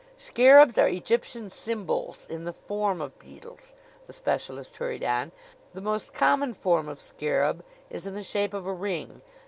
"Scarabs are Egyptian symbols in the form of beetles," the specialist hurried on. "The most common form of scarab is in the shape of a ring.